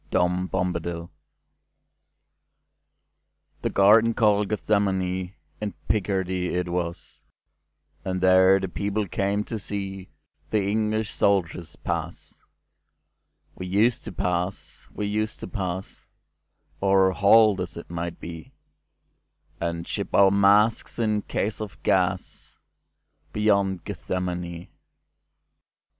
1922. Gethsemane 1914–18THE GARDEN called GethsemaneIn Picardy it was, And there the people came to seeThe English soldiers pass. We used to pass—we used to passOr halt, as it might be, And ship our masks in case of gasBeyond Gethsemane.